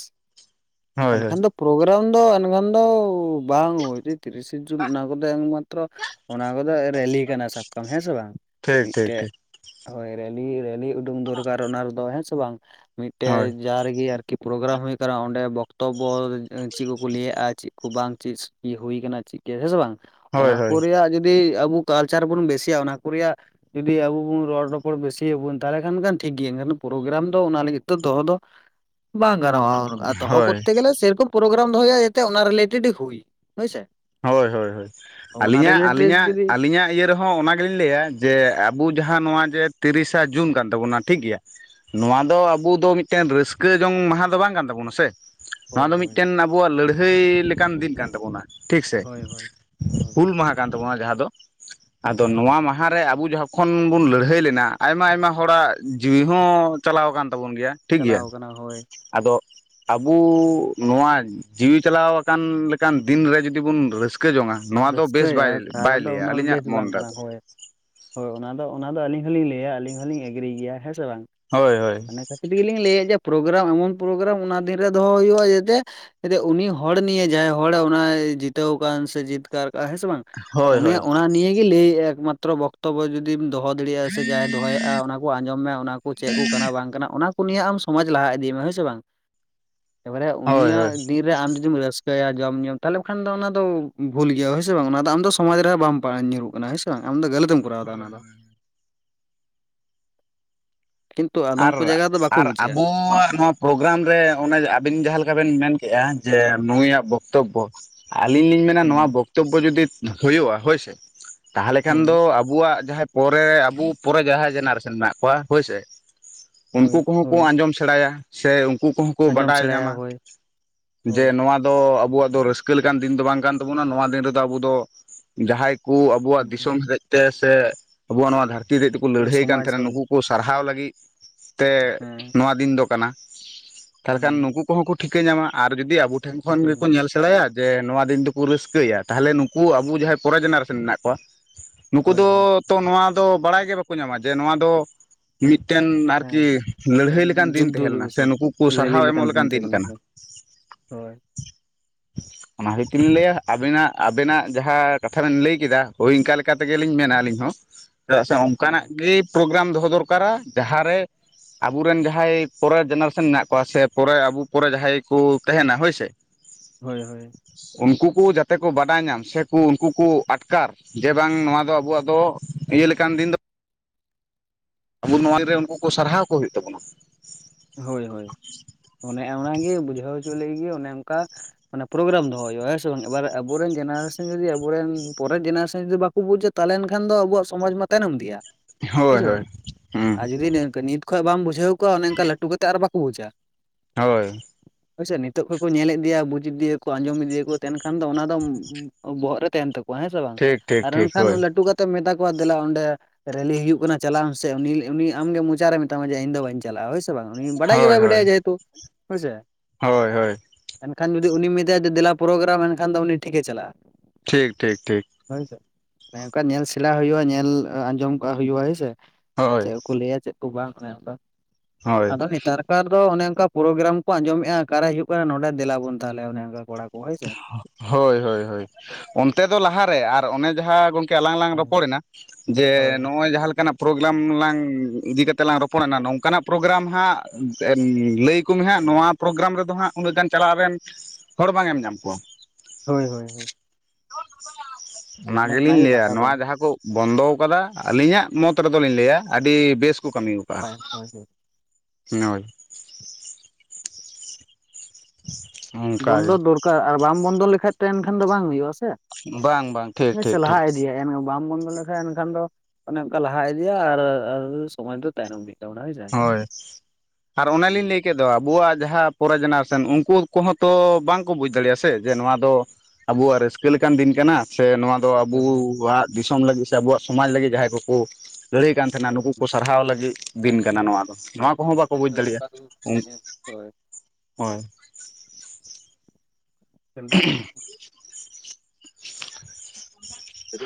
ᱦᱳᱭ ᱦᱳᱭ ᱮᱱᱠᱷᱟᱱ ᱫᱚ ᱯᱨᱳᱜᱨᱟᱢ ᱫᱚ ᱮᱱᱠᱷᱟᱱ ᱫᱚ ᱵᱟᱝ ᱦᱳᱭ ᱛᱤᱨᱤᱥᱮ ᱡᱩᱱ ᱚᱱᱟ ᱠᱚᱫᱚ ᱮᱢ ᱜᱟᱱᱚᱜ ᱛᱚ ᱚᱱᱟ ᱠᱚᱫᱚ ᱨᱮᱞᱤ ᱠᱟᱱᱟ ᱥᱟᱵᱠᱟᱵᱟᱢ ᱦᱮᱸ ᱥᱮ ᱵᱟᱝ ᱴᱷᱤᱠ ᱴᱷᱤᱠ ᱢᱤᱫᱴᱮᱡ ᱴᱷᱤᱠ ᱦᱳᱭ ᱨᱮᱞᱤ ᱨᱮᱞᱤ ᱩᱰᱩᱝ ᱫᱚᱨᱠᱟᱨ ᱚᱱᱟ ᱨᱮᱫᱚ ᱦᱮᱸ ᱥᱮ ᱵᱟᱝ ᱦᱳᱭ ᱢᱤᱫᱴᱮᱡ ᱡᱟᱦᱟ ᱨᱮᱜᱮ ᱟᱨᱠᱤ ᱯᱨᱳᱜᱨᱟᱢ ᱦᱳᱭ ᱟᱠᱟᱱᱟ ᱚᱸᱰᱮ [unintelligible] ᱵᱚᱠᱛᱛᱚᱵᱚ ᱪᱮᱫ ᱠᱚᱠᱚ ᱞᱟᱹᱭᱟᱜᱼᱟ ᱪᱮᱫ ᱠᱚ ᱵᱟᱝ ᱪᱮᱫ ᱤᱭᱟᱹ ᱦᱩᱭᱟ ᱠᱟᱱᱟ ᱪᱮᱫ ᱦᱮᱸ ᱥᱮ ᱵᱟᱝ ᱦᱳᱭ ᱚᱱᱟ ᱠᱚ ᱦᱳᱭ ᱨᱮᱭᱟᱜ ᱡᱩᱫᱤ ᱟᱵᱚ ᱠᱟᱞᱪᱟᱨ ᱵᱚᱱ ᱵᱮᱥᱤᱭᱟ ᱚᱱᱟ ᱠᱚ ᱨᱮᱭᱟᱜ ᱡᱩᱫᱤ ᱟᱵᱚ ᱵᱚᱱ ᱨᱚᱲ ᱨᱚᱯᱚᱲ ᱵᱮᱥᱤᱭᱟᱵᱚᱱ ᱛᱟᱦᱚᱞᱮ ᱠᱷᱟᱱ [unintelligible] ᱴᱷᱤᱠᱜᱮᱭᱟ ᱮᱠᱷᱟᱱ ᱯᱨᱳᱜᱨᱟᱢ ᱫᱚ ᱚᱱᱟ ᱞᱟᱹᱜᱤᱫ ᱛᱮ ᱫᱚᱦᱚ ᱫᱚ ᱵᱟᱝ ᱜᱟᱱᱚᱜᱼᱟ᱾ ᱟᱨ ᱫᱚᱦᱚ ᱦᱳᱭ [unintelligible] ᱥᱮᱨᱚᱠᱚᱢ ᱯᱨᱳᱜᱨᱟᱢ ᱫᱚᱦᱚᱭᱟ ᱡᱟᱛᱮ ᱚᱱᱟ ᱨᱤᱞᱮᱴᱮᱰ ᱦᱩᱭ, ᱦᱩᱭ ᱥᱮ ᱦᱳᱭ ᱦᱳᱭ ᱦᱳᱭ ᱟᱹᱞᱤᱧᱟᱜ ᱟᱹᱞᱤᱧᱟᱜ ᱡᱩᱫᱤ ᱟᱹᱞᱤᱧᱟᱜ ᱤᱭᱟᱹ ᱨᱮᱦᱚᱸ ᱚᱱᱟ ᱜᱮᱞᱤᱧ ᱞᱟᱹᱭᱟ ᱡᱮ ᱟᱵᱚ ᱡᱟᱦᱟᱸ ᱱᱚᱣᱟ ᱡᱮ ᱛᱤᱨᱤᱥᱟ ᱡᱩᱱ ᱠᱟᱱ ᱛᱟᱵᱚᱱᱟ ᱴᱷᱤᱠ ᱜᱮᱭᱟ᱾ ᱱᱚᱣᱟ ᱫᱚ ᱟᱵᱚ ᱫᱚ ᱢᱤᱫᱴᱮᱱ ᱨᱟᱹᱥᱠᱟᱹ ᱡᱚᱝ ᱢᱟᱦᱟ ᱫᱚ ᱵᱟᱝ ᱠᱟᱱ ᱛᱟᱵᱚᱱᱟ ᱥᱮ ᱱᱚᱣᱟ ᱦᱳᱭ ᱫᱚ ᱦᱳᱭ ᱢᱤᱫᱴᱮᱱ ᱟᱵᱚᱣᱟᱜ ᱞᱟᱹᱲᱦᱟᱹᱭ ᱞᱮᱠᱟᱱ ᱫᱤᱱ ᱠᱟᱱ ᱛᱟᱵᱳᱱᱟ ᱴᱷᱤᱠ ᱥᱮ ᱦᱳᱭ ᱦᱳᱭ ᱦᱳᱭ ᱦᱩᱞ ᱢᱟᱦᱟ ᱠᱟᱱ ᱛᱟᱵᱚᱱᱟ ᱡᱟᱦᱟᱸ ᱫᱚ ᱟᱫᱚ ᱦᱮᱸ ᱱᱚᱣᱟ ᱢᱟᱦᱟ ᱡᱟᱦᱟᱸ ᱨᱮ ᱟᱵᱩ ᱡᱚᱠᱷᱚᱱ ᱵᱚᱱ ᱞᱟᱹᱲᱦᱟᱹᱭ ᱞᱮᱱᱟ ᱟᱭᱢᱟ ᱟᱭᱢᱟ ᱦᱚᱲᱟᱜ ᱡᱤᱣᱤ ᱦᱚᱸ ᱪᱟᱞᱟᱣ ᱟᱠᱟᱱ ᱛᱟᱵᱚᱱ ᱜᱮᱭᱟ ᱴᱷᱤᱠ ᱜᱮᱭᱟ᱾ ᱪᱟᱞᱟᱣ ᱠᱟᱱᱟ ᱦᱳᱭ ᱟᱫᱚ ᱟᱵᱩ ᱱᱚᱣᱟ ᱡᱤᱣᱤ ᱪᱟᱞᱟᱣ ᱟᱠᱟᱱ ᱞᱮᱠᱟᱱ ᱫᱤᱱ ᱨᱮ ᱡᱩᱫᱤ ᱡᱩᱫᱤ ᱵᱚᱱ ᱨᱟᱹᱥᱠᱟᱹ ᱡᱚᱝᱟ ᱱᱚᱣᱟ ᱫᱚ ᱵᱮᱥ ᱨᱟᱹᱥᱠᱟᱹᱭᱟ ᱵᱟᱭ ᱛᱟᱦᱚᱞᱮ ᱫᱚ ᱞᱟᱹᱭᱟ ᱚᱱᱟ ᱫᱚ ᱟᱹᱞᱤᱧᱟᱜ ᱵᱮᱥ ᱢᱚᱱ ᱵᱟᱝ ᱠᱟᱱᱟ ᱨᱮᱫᱚ ᱦᱳᱭ ᱦᱳᱭ ᱚᱱᱟ ᱫᱚ ᱚᱱᱟ ᱫᱚ ᱟᱹᱞᱤᱧ ᱦᱚᱸᱞᱤᱧ ᱞᱟᱹᱭᱟ ᱟᱹᱞᱤᱧ ᱦᱚᱞᱤᱧ ᱮᱜᱽᱨᱤ ᱜᱮᱭᱟ ᱦᱮᱸ ᱥᱮ ᱵᱟᱝ ᱦᱳᱭ ᱦᱳᱭ᱾ ᱚᱱᱟᱮ ᱠᱷᱟᱹᱛᱤᱨ ᱜᱮᱞᱤᱧ ᱞᱟᱹᱭᱮᱫ ᱡᱮ ᱯᱨᱳᱜᱨᱟᱢ ᱮᱢᱚᱱ ᱯᱨᱳᱜᱨᱟᱢ ᱚᱱᱟ ᱫᱤᱱ ᱨᱮ ᱫᱚᱦᱚ ᱦᱩᱭᱩᱜᱼᱟ ᱡᱟᱛᱮ ᱡᱟᱛᱮ ᱩᱱᱤ ᱦᱚᱲ ᱱᱤᱭᱮ ᱡᱟᱦᱟᱸᱭ ᱦᱚᱲ ᱚᱱᱟᱭ ᱡᱤᱛᱟᱹᱣ ᱟᱠᱟᱱ ᱥᱮ ᱡᱤᱛᱠᱟᱹᱨ ᱟᱠᱟᱜᱟ ᱦᱮᱸ ᱥᱮ ᱵᱟᱝ ᱦᱳᱭ ᱚᱱᱮ ᱦᱳᱭ ᱚᱱᱟ ᱱᱤᱭᱟᱹ ᱜᱮ ᱞᱟᱹᱭ ᱮᱠᱢᱟᱛᱨᱚ ᱵᱚᱠᱛᱚᱵᱚ ᱡᱩᱫᱤ ᱡᱩᱫᱤᱢ ᱫᱚᱦᱚ ᱫᱟᱲᱮᱭᱟᱜᱼᱟ ᱥᱮ ᱡᱟᱦᱟᱸᱟᱭ ᱫᱚᱦᱚᱭᱮᱫᱼᱟ ᱚᱱᱟ ᱠᱚ ᱟᱸᱡᱚᱢ ᱢᱮ ᱚᱱᱟ ᱠᱚ ᱪᱮᱫ ᱠᱚ ᱠᱟᱱᱟ ᱵᱟᱝ ᱠᱟᱱᱟ ᱚᱱᱟ ᱠᱚ ᱱᱤᱭᱟᱹ ᱟᱢ ᱥᱚᱢᱟᱡᱽ ᱞᱟᱦᱟ ᱤᱫᱤᱭ ᱢᱮ ᱦᱳᱭᱥᱮ ᱵᱟᱝ ᱮᱵᱟᱨᱮ ᱦᱳᱭ ᱩᱱᱤᱭᱟᱜ ᱫᱤᱱ ᱨᱮ ᱟᱢ ᱡᱩᱫᱤᱢ ᱨᱟᱹᱥᱠᱟᱹ ᱨᱤᱠᱟᱹᱭᱟ ᱡᱚᱢ ᱧᱩ ᱛᱟᱦᱚᱞᱮ ᱠᱷᱟᱱ ᱫᱚ ᱚᱱᱟ ᱫᱚ ᱵᱷᱩᱞ ᱜᱮᱭᱟ᱾ ᱦᱳᱭᱥᱮ ᱵᱟᱝ ᱚᱱᱟ ᱫᱚ ᱟᱢ ᱫᱚ ᱥᱚᱢᱟᱡᱽ ᱨᱮᱦᱚᱸ ᱵᱟᱢ ᱯᱟᱲᱦᱟᱜ ᱧᱩᱨᱩᱜᱼᱟ ᱚᱱᱟ ᱜᱮ ᱥᱮ ᱵᱟᱝ ᱟᱢ ᱫᱚ ᱜᱟᱹᱞᱟᱹᱛ ᱮᱢ ᱦᱚᱭ ᱦᱚᱭ ᱠᱤᱱᱛᱩ ᱟᱫᱚᱢ ᱟᱨ ᱠᱚ ᱡᱟᱭᱜᱟ ᱫᱚ ᱵᱟᱠᱚ ᱟᱨ ᱵᱩᱡᱮᱜᱼᱟ ᱟᱵᱚᱣᱟᱜ ᱱᱚᱣᱟ ᱯᱨᱳᱜᱨᱟᱢ ᱨᱮ ᱚᱱᱮ ᱟᱹᱵᱤᱱ ᱡᱟᱦᱟᱸ ᱞᱮᱠᱟ ᱵᱤᱱ ᱢᱮᱱ ᱠᱮᱫᱮᱜᱼᱟ ᱡᱮ ᱱᱩᱭᱟᱜ ᱵᱚᱠᱛᱛᱚᱵᱚ ᱟᱹᱞᱤᱧ ᱞᱤᱧ ᱢᱮᱱᱟ ᱦᱩᱸ ᱱᱚᱣᱟ ᱵᱚᱠᱛᱛᱚᱵᱚ ᱡᱩᱚᱫᱤ ᱦᱩᱭᱩᱜᱼᱟ, ᱦᱳᱭᱥᱮ ᱛᱟᱦᱚᱞᱮ ᱠᱷᱟᱱ ᱫᱚ ᱦᱳᱭ ᱟᱵᱚ ᱟᱵᱚᱣᱟᱜ ᱡᱟᱦᱟᱸᱭ ᱯᱚᱨᱮ ᱟᱵᱩ ᱯᱚᱨᱮ ᱡᱟᱦᱟᱸᱭ ᱡᱮᱱᱟᱨᱮᱥᱚᱱ ᱢᱮᱱᱟᱜ ᱠᱚᱣᱟ ᱦᱳᱭᱥᱮ ᱦᱳᱭ ᱩᱱᱠᱩ ᱠᱚᱦᱚᱸ ᱠᱚ ᱦᱳᱭ ᱟᱸᱡᱚᱢ ᱥᱮᱸᱬᱟᱭᱟ ᱥᱮ ᱩᱱᱠᱩ ᱠᱚᱦᱚᱸ ᱠᱚ ᱟᱸᱡᱚᱢ ᱵᱟᱰᱟᱭ ᱧᱟᱢᱟ ᱥᱮᱬᱟᱭᱟ ᱦᱳᱭ ᱡᱮ ᱦᱳᱭ ᱱᱚᱣᱟ ᱫᱚ ᱟᱵᱚᱣᱟᱜ ᱫᱚ ᱨᱟᱹᱥᱠᱟᱹ ᱞᱮᱠᱟᱱ ᱫᱤᱱ ᱫᱚ ᱵᱟᱝ ᱠᱟᱱ ᱛᱟᱵᱚᱱᱟ ᱱᱚᱣᱟ ᱫᱤᱱ ᱨᱮᱫᱚ ᱟᱵᱚ ᱫᱚ ᱡᱟᱦᱟᱸᱭ ᱠᱩ ᱟᱵᱚᱣᱟᱜ ᱫᱤᱥᱚᱢ ᱦᱮᱡ ᱛᱮ ᱥᱮ ᱟᱵᱚᱣᱟᱜ ᱱᱚᱣᱟ ᱫᱷᱟᱹᱨᱛᱤ ᱦᱚᱛᱮᱡ ᱯᱩᱨᱟᱹ ᱞᱟᱹᱲᱦᱟᱹᱭ ᱠᱟᱱ ᱥᱚᱢᱟᱡᱽ ᱛᱟᱦᱮᱱᱟ ᱦᱳᱭ ᱱᱩᱠᱩ ᱠᱚ ᱥᱟᱨᱦᱟᱣ ᱞᱟᱹᱜᱤᱫ ᱛᱮ ᱦᱮᱸ ᱱᱚᱣᱟ ᱫᱤᱱ ᱫᱚ ᱠᱟᱱᱟ ᱛᱟᱦᱚᱞᱮ ᱦᱩᱸ ᱠᱷᱟᱱ ᱱᱩᱠᱩ ᱠᱚᱦᱚᱸ ᱠᱚ ᱴᱷᱤᱠᱟᱹ ᱧᱟᱢᱟ ᱟᱨ ᱡᱩᱫᱤ ᱟᱵᱚ ᱴᱷᱮᱱ ᱠᱷᱚᱱ ᱴᱷᱤᱠᱟᱹ ᱜᱮᱠᱚ ᱜᱮᱭᱟ ᱧᱮᱞ ᱥᱮᱸᱬᱟᱭᱟ ᱾ ᱡᱮ ᱱᱚᱣᱟ ᱫᱤᱱ ᱫᱚᱠᱚ ᱨᱟᱹᱥᱠᱟᱹᱭᱟ ᱛᱟᱦᱞᱮ ᱱᱩᱠᱩ ᱟᱵᱚ ᱡᱟᱦᱟᱸᱭ ᱯᱚᱨᱮᱨ ᱡᱮᱱᱟᱨᱮᱥᱚᱱ ᱢᱮᱱᱟᱜ ᱠᱚᱣᱟ ᱱᱩᱠᱩ ᱦᱳᱭ ᱫᱚ ᱦᱳᱭ ᱛᱚ ᱱᱚᱣᱟ ᱫᱚ ᱵᱟᱲᱟᱭ ᱜᱮ ᱵᱟᱠᱚ ᱧᱟᱢᱟ ᱡᱮ ᱱᱚᱣᱟ ᱫᱚ ᱢᱤᱫᱴᱮᱱ ᱟᱨᱠᱤ ᱦᱮᱸ ᱞᱟᱹᱲᱦᱟᱹᱭ ᱞᱮᱠᱟᱱ ᱫᱤᱱ ᱡᱩᱫᱽᱫᱷᱚ ᱛᱟᱦᱮᱸ ᱞᱮᱱᱟ ᱫᱤᱵᱚᱥ ᱥᱮ ᱦᱳᱭ ᱱᱩᱠᱩ ᱠᱚ ᱥᱟᱨᱦᱟᱣ ᱮᱢᱚᱜ ᱞᱮᱠᱟᱱ ᱫᱤᱱ ᱠᱟᱱᱟ ᱾ ᱦᱳᱭ ᱾ ᱢᱟᱹᱦᱤᱛᱤᱧ ᱞᱟᱹᱭᱟ ᱟᱵᱤᱱᱟᱜ ᱟᱵᱤᱱᱟᱜ ᱡᱟᱦᱟᱸ ᱠᱟᱛᱷᱟ ᱵᱮᱱ ᱞᱟᱹᱭ ᱠᱮᱫᱟ ᱦᱳᱭ ᱤᱱᱠᱟ ᱞᱮᱠᱟ ᱛᱮᱜᱮ ᱞᱤᱧ ᱢᱮᱱᱟ ᱟᱹᱞᱤᱧ ᱦᱚᱸ ᱪᱮᱫᱟᱜ ᱥᱮ ᱚᱱᱠᱟᱱᱟᱜ ᱜᱮ ᱯᱨᱳᱜᱨᱟᱢ ᱫᱚᱦᱚ ᱫᱚᱨᱠᱟᱨᱟ ᱡᱟᱦᱟᱸᱨᱮ ᱟᱵᱚᱨᱮᱱ ᱡᱟᱦᱟᱸᱭ ᱯᱚᱨᱮ ᱡᱮᱱᱟᱨᱮᱥᱚᱱ ᱢᱮᱱᱟᱜ ᱠᱚᱣᱟ ᱥᱮ ᱯᱚᱨᱮ ᱟᱵᱚ ᱯᱚᱨᱮ ᱡᱟᱦᱟᱸᱭ ᱠᱚ ᱛᱟᱦᱮᱱᱟ ᱦᱳᱭ ᱥᱮ ᱦᱳᱭ ᱦᱳᱭ ᱾ ᱩᱱᱠᱩ ᱠᱚ ᱡᱟᱛᱮ ᱠᱚ ᱵᱟᱰᱟᱭ ᱧᱟᱢ ᱥᱮ ᱠᱚ ᱩᱱᱠᱩ ᱠᱚ ᱟᱴᱠᱟᱨ ᱡᱮ ᱵᱟᱝ ᱱᱚᱣᱟ ᱫᱚ ᱟᱵᱚᱣᱟᱜ ᱫᱚ ᱤᱭᱟᱹ ᱞᱮᱠᱟᱱ ᱫᱤᱱ ᱫᱚ ᱟᱵᱚ ᱱᱚᱣᱟ ᱨᱮ ᱩᱱᱠᱩ ᱠᱚ ᱥᱟᱨᱦᱟᱣ ᱠᱚ ᱦᱩᱭᱩᱜ ᱛᱟᱵᱚᱱᱟ ᱾ ᱦᱳᱭ ᱦᱳᱭ ᱾ ᱚᱱᱮ ᱚᱱᱟ ᱜᱮ ᱵᱩᱡᱷᱟᱹᱣ ᱦᱚᱪᱚ ᱞᱟᱹᱜᱤᱫ ᱜᱮ ᱚᱱᱮ ᱚᱱᱠᱟ ᱾ ᱢᱮ ᱯᱨᱳᱜᱨᱟᱢ ᱫᱚᱦᱚ ᱦᱩᱭᱩᱜᱼᱟ ᱦᱮᱸ ᱥᱮ ᱵᱟᱝ ᱮᱵᱟᱨ ᱟᱵᱚᱨᱮᱱ ᱡᱮᱱᱟᱨᱮᱥᱮᱱ ᱡᱩᱫᱤ ᱟᱵᱚᱨᱮᱱ ᱯᱚᱨᱮᱨ ᱡᱮᱱᱟᱨᱮᱥᱮᱱ ᱡᱩᱫᱤ ᱵᱟᱝ ᱵᱟᱠᱩ ᱵᱩᱡᱟ ᱛᱟᱞᱮᱱ ᱠᱷᱟᱱ ᱫᱚ ᱟᱵᱚᱣᱟᱜ ᱥᱚᱢᱟᱡ ᱢᱟ ᱛᱟᱭᱱᱚᱢ ᱤᱫᱤᱜᱼᱟ ᱦᱳᱭ ᱵᱩᱡᱷᱟᱹᱣ ᱦᱳᱭ ᱵᱟᱝ ᱟᱨ ᱦᱩᱸ ᱡᱩᱫᱤ ᱱᱤᱛ ᱠᱷᱚᱡ ᱵᱟᱢ ᱵᱩᱡᱷᱟᱹᱣ ᱠᱚᱣᱟ ᱚᱱᱮ ᱚᱱᱠᱟ ᱞᱟᱹᱩ ᱠᱟᱛᱮᱫ ᱟᱨ ᱵᱟᱠᱚ ᱵᱩᱡᱟ ᱾ ᱦᱳᱭ ᱾ ᱦᱸᱭᱥᱮ ᱱᱤᱛᱚᱜ ᱠᱷᱚᱱᱚᱡ ᱠᱚ ᱧᱮᱞ ᱤᱫᱤᱭᱟ ᱵᱩᱡ ᱤᱫᱤᱭᱟᱠᱚ ᱟᱸᱡᱚᱢ ᱤᱫᱤᱭᱟᱠᱚ ᱛᱮᱱᱠᱷᱟᱱ ᱫᱚ ᱚᱱᱟ ᱫᱚ ᱵᱚᱦᱚᱜ ᱨᱮ ᱛᱟᱦᱮᱱ ᱛᱟᱠᱚᱣᱟ ᱾ ᱦᱮᱸ ᱥᱮ ᱵᱟᱝ ᱴᱷᱤᱠ ᱴᱷᱤᱠ ᱟᱨ ᱴᱷᱤᱠ ᱮᱱᱠᱷᱟᱱ ᱦᱳᱭ ᱞᱟᱹᱴᱩ ᱠᱟᱛᱮᱢ ᱢᱮᱛᱟ ᱠᱚᱣᱟ ᱫᱮᱞᱟ ᱚᱸᱰᱮ ᱨᱮᱞᱤ ᱦᱩᱭᱩᱜ ᱠᱟᱱᱟ ᱪᱟᱞᱟᱜᱼᱟᱢ ᱥᱮ ᱩᱱᱤ ᱩᱱᱤ ᱟᱢᱜᱮ ᱢᱚᱪᱟᱨᱮ ᱢᱮᱛᱟᱢᱟ ᱡᱮ ᱤᱧ ᱫᱚ ᱵᱟᱹᱧ ᱪᱟᱞᱟᱜᱼᱟ ᱦᱳᱭ ᱾ ᱵᱟᱝ ᱩᱱᱤ ᱵᱟᱰᱟᱭ ᱜᱮ ᱦᱳᱭ ᱵᱟᱭ ᱦᱳᱭ ᱵᱟᱰᱟᱭᱟ ᱡᱮᱦᱮᱛᱩ ᱦᱳᱭ ᱥᱮ ᱦᱳᱭ ᱦᱳᱭ ᱾ ᱮᱱᱠᱷᱟᱱ ᱡᱩᱫᱤ ᱩᱱᱤᱢ ᱢᱮᱛᱟᱭᱟ ᱡᱮ ᱫᱮᱞᱟ ᱯᱨᱳᱜᱨᱟᱢ ᱮᱱᱠᱷᱟᱱ ᱫᱚ ᱩᱱᱤ ᱴᱷᱤᱠᱮ ᱪᱟᱞᱟᱜᱼᱟ ᱾ ᱴᱷᱤᱠ ᱴᱷᱤᱠ ᱴᱷᱤᱠ ᱾ ᱦᱳᱭ ᱥᱮ ᱾ ᱚᱱᱠᱟ ᱧᱮᱞ ᱥᱮᱬ ᱦᱩᱭᱩᱜᱼᱟ ᱧᱮᱞ ᱟᱸᱡᱚᱢ ᱠᱟᱜ ᱦᱩᱭᱩᱜᱼᱟ ᱦᱳᱭᱥᱮ ᱾ ᱦᱳᱭ ᱪᱮᱫ ᱠᱚ ᱠᱚ ᱞᱟᱹᱭᱟ ᱪᱮᱫ ᱠᱚ ᱵᱟᱝ ᱚᱱᱠᱟ ᱦᱳᱭ ᱟᱫᱚ ᱱᱮᱛᱟᱨ ᱠᱟᱨ ᱫᱚ ᱚᱱᱮ ᱚᱱᱠᱟ ᱯᱨᱜᱨᱟᱢ ᱠᱚ ᱟᱸᱡᱚᱢᱮᱫᱼᱟ ᱚᱠᱟᱨᱮ ᱦᱩᱭᱩᱜ ᱠᱟᱱᱟ ᱱᱚᱰᱮ ᱫᱮᱞᱟᱵᱚᱱ ᱛᱟᱦᱚᱞᱮ ᱚᱱᱮ ᱚᱱᱠᱟ ᱠᱚᱲᱟ ᱠᱚ ᱾ ᱦᱳᱭ ᱦᱳᱭ ᱦᱳᱭ ᱾ ᱚᱱᱛᱮ ᱫᱚ ᱞᱟᱦᱟᱮ ᱟᱨ ᱚᱱᱮ ᱡᱟᱦᱟᱸ ᱜᱚᱝᱠᱮ ᱟᱞᱟᱝ ᱞᱟᱝ ᱦᱳᱭ ᱨᱚᱯᱚᱲᱮᱱᱟ ᱡᱮ ᱱᱚᱜᱼᱚᱭ ᱡᱟᱦᱟᱸ ᱞᱮᱠᱟᱱᱟᱜ ᱯᱨᱳᱜᱨᱟᱢ ᱞᱟᱝ ᱤᱫᱤ ᱠᱟᱛᱮ ᱞᱟᱝ ᱨᱚᱯᱚᱲᱱᱟ ᱱᱚᱝᱠᱟᱱᱟᱜ ᱯᱨᱳᱜᱨᱟᱢ ᱦᱟᱸᱜ ᱞᱟᱹᱭ ᱟᱹᱭ ᱢᱮ ᱦᱟᱸᱜ ᱱᱚᱣᱟ ᱯᱨᱳᱜᱨᱟᱢ ᱨᱮᱫᱚ ᱦᱟᱸᱜ ᱩᱱᱟᱹᱜ ᱜᱟᱱ ᱪᱟᱞᱟᱣ ᱨᱮᱱ ᱦᱚᱲ ᱵᱟᱝ ᱮᱢ ᱧᱟᱢ ᱠᱚᱣᱟ ᱾ ᱦᱳᱭ ᱦᱳᱭ ᱦᱳᱭ ᱚᱱᱟ ᱜᱮ ᱞᱤᱧ ᱚᱱᱟᱜᱮ ᱞᱟᱹᱭᱟ ᱠᱟᱛᱷᱟ ᱫᱚ ᱱᱚᱣᱟ ᱡᱟᱦᱟᱸ ᱠᱚ ᱾ ᱵᱚᱱᱫᱚ ᱟᱠᱟᱫᱟ ᱟᱹᱞᱤᱧᱟᱜ ᱢᱚᱛ ᱨᱮᱫᱚ ᱞᱤᱧ ᱞᱟᱹᱭᱟ ᱟᱹᱰᱤ ᱵᱮᱥ ᱠᱚ ᱠᱟᱹᱢᱤ ᱟᱠᱟᱫᱟ ᱦᱳᱭ᱾ ᱾ ᱦᱳᱭ ᱵᱚᱱᱫᱚ ᱚᱱᱠᱟᱜᱮ ᱫᱚᱨᱠᱟᱨ ᱟᱨ ᱵᱟᱢ ᱵᱚᱱᱫᱚ ᱞᱮᱠᱟᱱᱡ ᱮᱱᱠᱷᱟᱱ ᱫᱚ ᱵᱟᱝ ᱦᱩᱭᱩᱜᱼᱟ ᱥᱮ ᱾ ᱵᱟᱝ ᱵᱟᱝ ᱴᱷᱤᱠ ᱴᱷᱤᱠ ᱴᱷᱤᱠ ᱵᱟᱢ ᱵᱚᱱᱫᱚ ᱞᱮᱠᱷᱟᱱ ᱮᱱᱠᱷᱟᱱ ᱫᱚ ᱚᱱᱮ ᱚᱱᱠᱟ ᱞᱟᱦᱟ ᱤᱫᱤᱭᱟ ᱟᱨ ᱥᱚᱢᱚᱭ ᱫᱚ ᱛᱟᱭᱱᱚᱢ ᱤᱫᱤ ᱛᱟᱵᱚᱱ ᱦᱳᱭ ᱥᱮ ᱦᱳᱭ ᱟᱨ ᱚᱱᱟ ᱞᱤᱧ ᱞᱟᱹᱭ ᱠᱮᱫ ᱟᱵᱚᱣᱟᱜ ᱡᱟᱦᱟᱸ ᱯᱚᱨᱮ ᱡᱮᱱᱟᱨᱮᱥᱚᱱ ᱩᱱᱠᱩ ᱠᱚᱦᱚᱸ ᱛᱚ ᱵᱟᱝᱠᱚ ᱵᱩᱡᱽ ᱫᱟᱲᱮᱭᱟᱜᱼᱟ ᱥᱮ ᱡᱮ ᱱᱚᱣᱟ ᱫᱚ ᱟᱵᱚᱣᱟᱜ ᱨᱟᱹᱥᱠᱟᱹ ᱞᱮᱠᱟᱱ ᱫᱤᱱ ᱠᱟᱱᱟ ᱥᱮ ᱱᱚᱣᱟ ᱦᱳᱭ ᱦᱳᱭ ᱟᱵᱚᱣᱟᱜ ᱫᱤᱥᱚᱢ ᱞᱟᱹᱜᱤᱫ ᱥᱮ ᱟᱵᱚᱣᱟᱜ ᱥᱚᱢᱟᱡᱽ ᱞᱟᱹᱜᱤᱫ ᱡᱟᱦᱟᱸᱭ ᱠᱚᱠᱚ ᱞᱟᱹᱲᱦᱟᱹᱭ ᱠᱟᱱ ᱛᱟᱦᱮᱱᱟ ᱦᱳᱭ᱾ ᱱᱩᱠᱩ ᱠᱚ ᱥᱟᱨᱦᱟᱣ ᱞᱟᱹᱜᱤᱫ ᱫᱤᱱ ᱠᱟᱱᱟ ᱱᱚᱣᱟ ᱫᱚ ᱱᱚᱣᱟ ᱠᱚᱦᱚᱸ ᱫᱟᱜ ᱵᱟᱠᱚ ᱵᱩᱡᱽ ᱫᱟᱲᱮᱭᱟᱜᱼᱟ ᱾ ᱦᱳᱭ ᱪᱟᱸᱫᱩ [inaudible] ᱫᱩ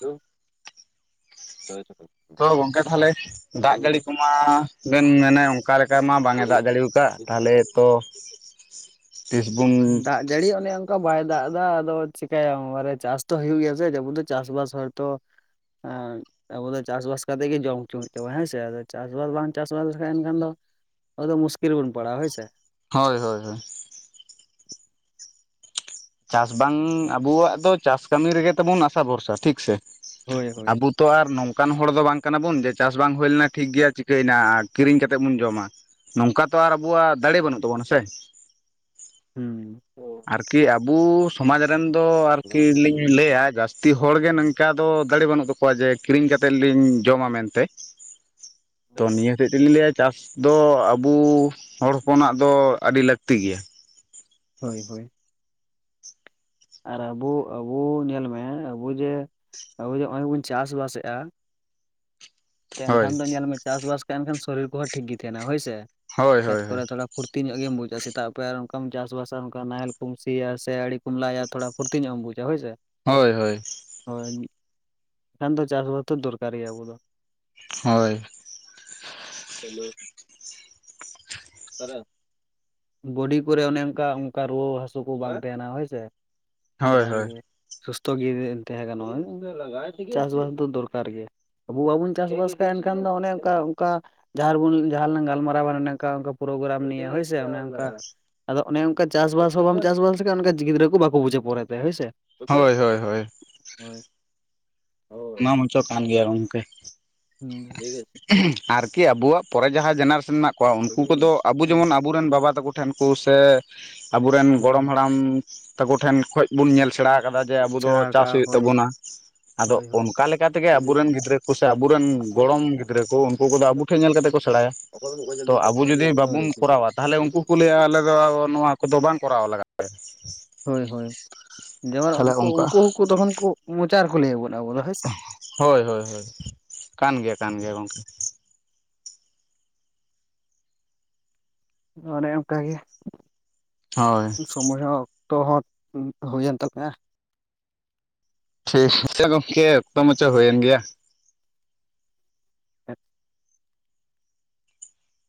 ᱫᱩ ᱦᱳᱭ ᱛᱚᱵᱮ [inaudible] ᱛᱚ ᱜᱚᱝᱠᱮ ᱛᱟᱦᱚᱞᱮ ᱫᱟᱜ ᱡᱟᱹᱲᱤ ᱠᱚᱢᱟ ᱵᱮᱱ ᱢᱮᱱᱟ ᱚᱱᱠᱟ ᱞᱮᱠᱟ ᱢᱟ ᱵᱟᱝ ᱮ ᱫᱟᱜ ᱡᱟᱲᱤᱭᱟᱠᱟᱫ ᱛᱟᱦᱚᱞᱮ ᱛᱚ [inaudible] ᱯᱷᱮᱥᱵᱩᱱ ᱫᱟᱜ ᱡᱟᱹᱲᱤ ᱚᱱᱮ ᱚᱱᱠᱟ ᱵᱟᱭ ᱫᱟᱜ ᱫᱟ ᱟᱫᱚ ᱪᱤᱠᱟᱭᱟᱢ ᱵᱟᱨᱮ ᱪᱟᱥ ᱛᱚ ᱦᱩᱭᱩᱜ ᱜᱮᱭᱟ ᱥᱮ ᱡᱟᱹᱵᱩ ᱫᱚ ᱪᱟᱥᱵᱟᱥ ᱦᱚᱭᱛᱚ ᱟᱢ ᱟᱵᱚ ᱫᱚ ᱪᱟᱥᱵᱟᱥ ᱠᱟᱛᱮᱜ ᱜᱮ ᱡᱚᱢ ᱦᱚᱪᱩ ᱦᱩᱭᱩᱜ [unintelligible] ᱦᱮᱸ ᱥᱮ ᱟᱫᱚ ᱪᱟᱥᱵᱟᱥ ᱵᱟᱝ ᱪᱟᱥᱵᱟᱥ [unintelligible] ᱮᱱᱠᱷᱟᱱ ᱫᱚ ᱟᱫᱚ ᱢᱩᱥᱠᱤᱞ ᱵᱩᱱ ᱯᱟᱲᱟᱜᱟ ᱦᱳᱭ ᱥᱮ ᱦᱳᱭ ᱦᱳᱭ ᱦᱳᱭ ᱪᱟᱥ ᱵᱟᱝ ᱟᱵᱩᱣᱟᱜ ᱫᱚ ᱪᱟᱥ ᱠᱟᱹᱢᱤ ᱨᱮᱜᱮ ᱛᱟᱵᱩᱱ ᱟᱥᱟ ᱵᱷᱚᱨᱥᱟ ᱴᱷᱤᱠᱥᱮ ᱦᱳᱭ ᱦᱳᱭ ᱟᱵᱚ ᱛᱚ ᱟᱨ ᱱᱚᱝᱠᱟᱱ ᱦᱚᱲ ᱫᱚ ᱵᱟᱝ ᱠᱟᱱᱟ ᱵᱩᱱ ᱡᱮ ᱪᱟᱥ ᱵᱟᱝ ᱦᱩᱭ ᱞᱮᱱᱟ ᱴᱷᱤᱠ ᱜᱮᱭᱟ ᱪᱤᱠᱟᱹᱭᱮᱱᱟ ᱠᱤᱨᱤᱧ ᱠᱟᱛᱮᱫ ᱵᱚᱱ ᱡᱚᱢᱟ᱾ ᱱᱚᱝᱠᱟ ᱛᱚ ᱟᱨ ᱟᱵᱩᱣᱟᱜ ᱫᱟᱲᱮ ᱵᱟᱹᱱᱩᱜ ᱛᱟᱵᱚᱱᱟ ᱥᱮ? ᱦᱩᱸ ᱟᱨᱠᱤ ᱟᱵᱚ ᱥᱚᱢᱟᱡᱽ ᱨᱮᱱ ᱫᱚ ᱟᱨᱠᱤ ᱞᱤᱧ ᱞᱟᱹᱭᱟ ᱡᱟᱹᱥᱛᱤ ᱦᱚᱲᱜᱮ ᱱᱮᱝᱠᱟ ᱫᱚ ᱫᱟᱲᱮ ᱵᱟᱹᱱᱩᱜ ᱛᱟᱠᱚᱣᱟ ᱡᱮ ᱠᱤᱨᱤᱧ ᱠᱟᱛᱮ ᱞᱤᱧ ᱡᱚᱢᱟ ᱢᱮᱱᱛᱮ ᱛᱚ [inaudible] ᱪᱮᱫ ᱞᱤᱧ ᱞᱟᱹᱭᱟ ᱪᱟᱥ ᱫᱚ ᱟᱵᱩ ᱦᱚᱲ ᱦᱚᱯᱚᱱᱟᱜ ᱫᱚ ᱟᱹᱰᱤ ᱞᱟᱹᱠᱛᱤ ᱜᱮᱭᱟ ᱾ ᱦᱳᱭ ᱦᱳᱭ ᱟᱨ ᱟᱵᱚ ᱟᱵᱚ ᱧᱮᱞ ᱢᱮ ᱟᱵᱚ ᱡᱮ ᱟᱵᱚ ᱡᱮ ᱦᱚᱸᱜ-ᱚᱭ ᱵᱚᱱ ᱪᱟᱥᱵᱟᱥ ᱮᱜᱼᱟ ᱼᱼ ᱦᱳᱭ ᱮᱱᱠᱷᱟᱱ ᱫᱚ ᱧᱮᱞᱢᱮ ᱪᱟᱥᱵᱟᱥ [unintelligible] ᱮᱱᱠᱷᱟᱱ ᱥᱚᱨᱤᱨ ᱠᱚᱦᱚᱸ ᱴᱷᱤᱠ ᱜᱮ ᱛᱟᱦᱮᱱᱟ ᱦᱳᱭᱥᱮ ᱦᱳᱭ ᱠᱷᱮᱛ ᱦᱳᱭ ᱦᱳᱭ ᱠᱚᱨᱮ ᱛᱷᱚᱲᱟ ᱯᱷᱩᱨᱛ ᱛᱤᱧᱚᱜ ᱜᱮᱢ ᱵᱩᱡᱟ ᱥᱮᱛᱟᱜ ᱯᱟᱭᱟᱨ ᱚᱱᱠᱟᱢ ᱪᱟᱥᱵᱟᱥᱟ ᱚᱱᱠᱟ ᱱᱟᱦᱮᱞ ᱠᱚᱢ ᱥᱤᱭᱟ ᱥᱮ ᱟᱲᱤ ᱠᱚᱢ ᱞᱟᱭᱟ ᱛᱷᱚᱲᱟ ᱼᱼ ᱯᱷᱩᱨᱛᱤ ᱧᱚᱜ ᱮᱢ ᱵᱩᱡᱟ ᱦᱳᱭ ᱥᱮ? ᱦᱳᱭ ᱦᱳᱭ [unintelligible] ᱮᱱᱠᱷᱟᱱ ᱫᱚ ᱪᱟᱥ ᱦᱚᱛᱚ ᱫᱚᱨᱠᱟᱨ ᱜᱮᱭᱟ ᱟᱵᱚ ᱫᱚ ᱦᱳᱭ ᱪᱳᱞᱳ [inaudible] ᱵᱚᱰᱤ ᱠᱚᱨᱮ ᱚᱱᱮ ᱚᱱᱠᱟ ᱚᱱᱠᱟ ᱨᱩᱣᱟᱹ ᱦᱟᱹᱥᱩ ᱠᱚ ᱵᱟᱝ ᱛᱟᱦᱮᱱᱟ ᱦᱳᱭᱥᱮ? ᱦᱳᱭ ᱦᱳᱭ ᱥᱚᱢᱟᱡᱽ ᱜᱮ ᱥᱩᱥᱛᱷᱚ ᱜᱮ ᱛᱟᱦᱮᱸ ᱜᱟᱱᱚᱜᱼᱟ ᱪᱟᱥᱵᱟᱥ ᱫᱚ ᱫᱚᱨᱠᱟᱨ ᱜᱮ ᱟᱵᱚ ᱵᱟᱵᱚᱱ ᱪᱟᱥᱵᱟᱥ [inaudible] ᱮᱱᱠᱷᱟᱱ ᱫᱚ ᱚᱱᱮ ᱚᱱᱠᱟ ᱚᱱᱠᱟ ᱡᱟᱦᱟᱸ ᱨᱮᱵᱚᱱ ᱡᱟᱦᱟᱸ ᱨᱮᱞᱟᱝ ᱜᱟᱞᱢᱟᱨᱟᱣᱟ ᱚᱱᱮ ᱚᱱᱠᱟ ᱚᱱᱠᱟ ᱯᱨᱳᱜᱨᱟᱢ ᱱᱤᱭ ᱦᱳᱭ ᱥᱮ ᱚᱱᱮ ᱚᱱᱠᱟ ᱟᱫᱚ ᱼᱼ ᱚᱱᱮ ᱚᱱᱠᱟ ᱪᱟᱥ ᱦᱚᱸ ᱵᱟᱢ ᱪᱟᱥᱵᱟᱥ ᱞᱮᱠᱷᱟᱱ ᱚᱱᱠᱟ ᱜᱤᱫᱽᱨᱟᱹ ᱠᱚ ᱵᱟᱠᱚ ᱵᱩᱡᱷᱟᱹ ᱯᱚᱨᱮᱛᱮ ᱦᱳᱭᱥᱮ ᱦᱳᱭ ᱦᱳᱭ ᱦᱳᱭ ᱦᱳᱭ ᱚᱱᱟ ᱢᱚᱪᱚ ᱠᱟᱱ ᱜᱮᱭᱟ ᱜᱚᱝᱠᱮ ᱦᱩᱸ ᱴᱷᱤᱠᱪ ᱟᱪᱷᱮ ᱟᱨᱠᱤ ᱟᱵᱚᱣᱟᱜ ᱯᱚᱨᱮ ᱡᱟᱦᱟᱸ ᱡᱮᱱᱟᱨᱮᱥᱚᱱ ᱢᱮᱱᱟᱜ ᱠᱚᱣᱟ ᱩᱱᱠᱩ ᱠᱚᱫᱚ ᱟᱵᱚ ᱦᱩᱸ ᱡᱮᱢᱚᱱ ᱼᱼ ᱟᱵᱩᱨᱮᱱ ᱵᱟᱵᱟ ᱛᱟᱠᱚ ᱴᱷᱮᱱ ᱠᱩ ᱥᱮ ᱟᱵᱚᱨᱮᱱ ᱜᱚᱲᱚᱢ ᱦᱩᱸ ᱦᱟᱲᱟᱢ ᱛᱟᱠᱩ ᱴᱷᱮᱱ ᱠᱷᱚᱡ ᱵᱚᱱ ᱧᱮᱞ ᱥᱮᱬᱟ ᱟᱠᱟᱫᱟ ᱡᱮ ᱟᱵᱩ ᱫᱚ ᱥᱮᱬᱟ ᱪᱟᱥ ᱠᱟᱜᱼᱟ ᱦᱩᱭᱩᱜ ᱦᱳᱭ ᱛᱟᱵᱚᱱᱟ ᱟᱫᱚ ᱦᱳᱭ ᱼᱼ ᱦᱳᱭ ᱚᱱᱠᱟ ᱞᱮᱠᱟ ᱛᱮᱜᱮ ᱟᱵᱩ ᱨᱮᱱ ᱜᱤᱫᱽᱨᱟᱹ ᱠᱚ ᱥᱮ ᱟᱵᱩ ᱨᱮᱱ ᱜᱚᱲᱚᱢ ᱜᱤᱫᱽᱨᱟᱹ ᱠᱚ ᱩᱱᱠᱩ ᱠᱚᱫᱚ ᱟᱵᱚ ᱴᱷᱮᱱ ᱧᱮᱞ ᱠᱟᱛᱮᱫ ᱠᱚ ᱥᱮᱬᱟᱭᱟ ᱾ ᱛᱚ ᱟᱵᱚ ᱡᱩᱫᱤ ᱵᱟᱵᱩᱱ ᱠᱚᱨᱟᱣᱟ ᱛᱟᱦᱞᱮ ᱩᱱᱠᱩ ᱠᱚ ᱞᱟᱹᱭᱟ ᱟᱞᱮᱼᱼ ᱫᱚ ᱱᱚᱣᱟ ᱠᱚᱫᱚ ᱵᱟᱝ ᱠᱚᱨᱟᱣ ᱞᱟᱜᱟᱜ ᱛᱮ ᱾ ᱦᱳᱭ ᱦᱳᱭ ᱡᱮᱢᱚᱱ ᱩᱱᱠᱩ ᱚᱱᱠᱟ ᱩᱱᱠᱩ ᱩᱱᱠᱩ ᱛᱚᱠᱷᱚᱱ ᱠᱚ ᱢᱚᱪᱟ ᱨᱮᱠᱚ ᱞᱟᱹᱭ ᱟᱵᱚᱱᱟ ᱼᱼ ᱦᱳᱭ ᱦᱳᱭ ᱦᱳᱭ ᱠᱟᱱ ᱜᱮᱭᱟ ᱠᱟᱱ ᱜᱮᱭᱟ ᱜᱚᱝᱠᱮ ᱾ ᱚᱱᱮ ᱚᱝᱠᱟ ᱜᱮ ᱼᱼ ᱦᱳᱭ ᱼᱼ ᱥᱚᱢᱚᱭ ᱦᱚᱸ ᱚᱠᱛᱚ ᱦᱚᱸ ᱦᱩᱭᱮᱱ ᱛᱟᱯᱮᱭᱟ ᱾ ᱴᱷᱤᱠ ᱜᱮᱭᱟ ᱜᱚᱝᱠᱮ ᱚᱠᱛᱚ ᱢᱟᱪᱚ ᱦᱩᱭᱮᱱ ᱜᱮᱭᱟ ᱾ [inaudible]